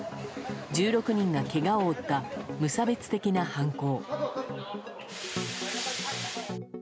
１６人がけがを負った無差別的な犯行。